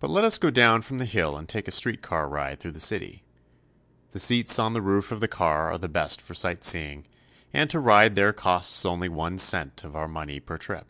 But let us go down from the hill and take a street car ride through the city. The seats on the roof of the car are the best for sight seeing, and to ride there costs only one cent of our money per trip.